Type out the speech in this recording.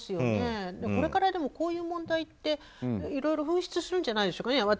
でもこれから、こういう問題っていろいろ噴出するんじゃないでしょうかね。